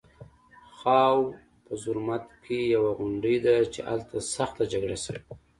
خاوو په زرمت کې یوه غونډۍ ده چې هلته سخته جګړه شوې وه